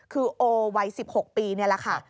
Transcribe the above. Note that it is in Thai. คือโอวัย๑๖ปีนี่แหละค่ะ